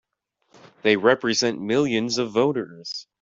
They represent millions of voters!